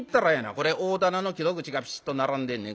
これ大店の木戸口がピシッと並んでんねん。